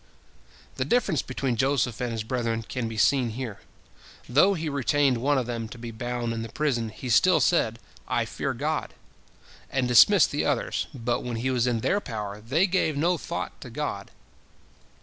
The difference between Joseph and his brethren can be seen here. Though he retained one of them to be bound in the prison house, he still said, "I fear God," and dismissed the others, but when he was in their power, they gave no thought to God.